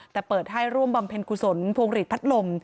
แต่เปิดให้ร่วมบำเพ็ญกุศลพวงหลีดพัดลม